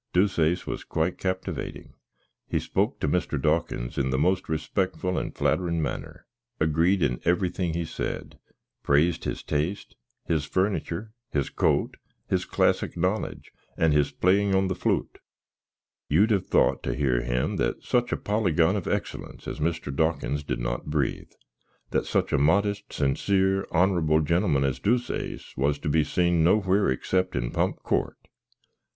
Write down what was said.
Deuceace was quite captivating. He spoke to Mr. Dawkins in the most respeckful and flatrin manner, agread in every think he said, prazed his taste, his furniter, his coat, his classick nolledge, and his playin on the floot; you'd have thought, to hear him, that such a polygon of exlens as Dawkins did not breath, that such a modest, sinsear, honrabble genlmn as Deuceace was to be seen no where xcept in Pump Cort.